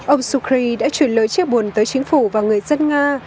ông sukri đã chuyển lời chia buồn tới chính phủ và người dân nga